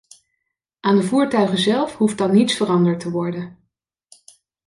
Aan de voertuigen zelf hoeft dan niets veranderd te worden.